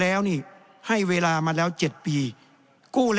แสดงว่าความทุกข์มันไม่ได้ทุกข์เฉพาะชาวบ้านด้วยนะ